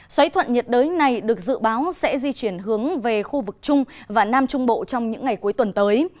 xoáy thuận nhiệt đới này được dự báo sẽ di chuyển hướng về khu vực trung và nam trung bộ trong những ngày cuối tuần tới